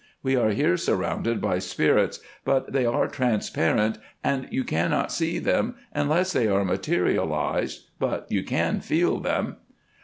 We are here surrounded by spirits, but they are transparent, and you cannot see them unless they are materialised, but you can feel them.